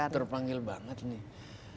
terpanggil banget nih